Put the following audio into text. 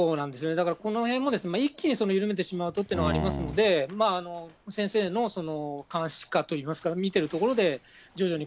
だからこのへんも、一気に緩めてしまうとっていうのはありますので、先生の監視下といいますか、見てるところで徐々に。